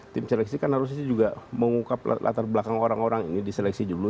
tim seleksi kan harusnya juga mengungkap latar belakang orang orang ini diseleksi dulu